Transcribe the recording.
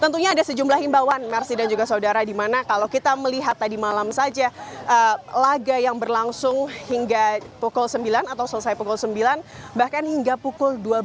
tentunya ada sejumlah himbauan mersi dan juga saudara di mana kalau kita melihat tadi malam saja laga yang berlangsung hingga pukul sembilan atau selesai pukul sembilan bahkan hingga pukul dua belas